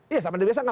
iya sama dengan biasa